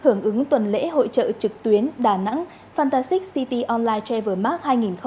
hưởng ứng tuần lễ hội trợ trực tuyến đà nẵng fantasic city online travel mark hai nghìn hai mươi